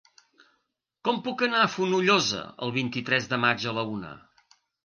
Com puc anar a Fonollosa el vint-i-tres de maig a la una?